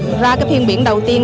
và ra cái thiên biển đầu tiên